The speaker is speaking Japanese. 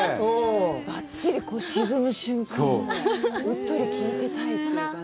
ばっちり沈む瞬間にうっとり聞いてたいという。